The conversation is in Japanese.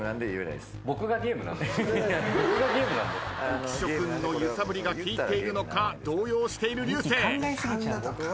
浮所君の揺さぶりが効いているのか動揺している流星。